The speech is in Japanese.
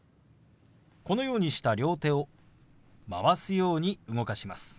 このようにした両手を回すように動かします。